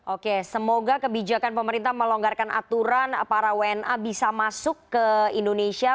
oke semoga kebijakan pemerintah melonggarkan aturan para wna bisa masuk ke indonesia